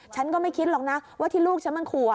ฉันก็ไม่คิดหรอกนะว่าที่ลูกฉันมันขู่